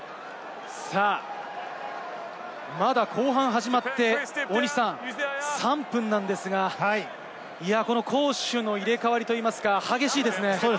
まだ後半が始まって３分なんですが、攻守の入れ替わり、激しいですね。